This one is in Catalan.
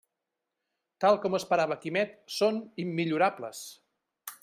Tal com esperava Quimet, són immillorables.